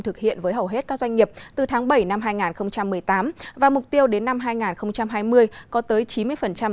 thực hiện với hầu hết các doanh nghiệp từ tháng bảy năm hai nghìn một mươi tám và mục tiêu đến năm hai nghìn hai mươi có tới chín mươi